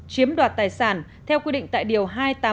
chiếm đoạt tài sản theo quy định tại điều hai trăm tám mươi tám